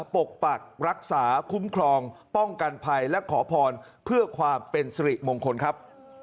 ปกปักรักษาคุ้มครองป้องกันภัยและขอพรเพื่อความเป็นสิริมงคลครับ